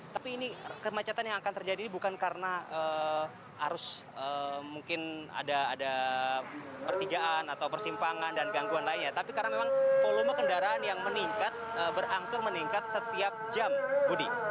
tapi ini kemacetan yang akan terjadi bukan karena arus mungkin ada pertigaan atau persimpangan dan gangguan lainnya tapi karena memang volume kendaraan yang meningkat berangsur meningkat setiap jam budi